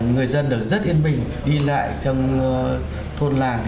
người dân được rất yên bình đi lại trong thôn làng